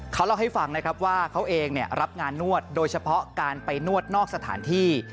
เขาเล่าให้ฟังนะครับว่าเขาเองรับงานนวดโดยเฉพาะการไปนวดนอกสถานที่